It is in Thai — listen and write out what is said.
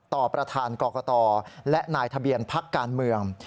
ประธานกรกตและนายทะเบียนพักการเมือง